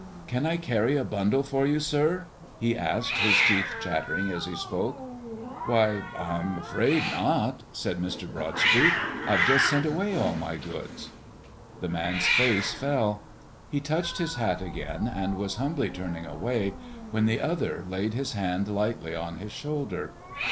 "Can I carry a bundle for you, sir?" he asked, his teeth chattering as he spoke. "Why, I'm afraid not," said Mr. Broadstreet. "I've just sent away all my goods." The man's face fell. He touched his hat again and was humbly turning away, when the other laid his hand lightly on his shoulder.